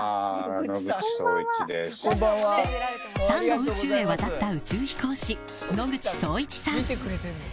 ３度宇宙に渡った宇宙飛行士野口聡一さん。